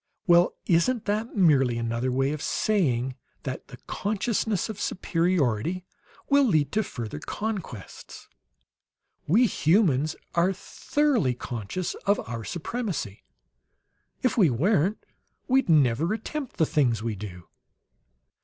'" "Well, isn't that merely another way of saying that the consciousness of superiority will lead to further conquests? We humans are thoroughly conscious of our supremacy; if we weren't we'd never attempt the things we do!"